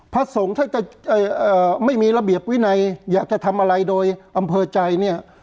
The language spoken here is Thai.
พระสงฆ์ถ้าจะไม่มีระเบียบวินัยอยากจะทำอะไรโดยอำเภอใจเนี่ย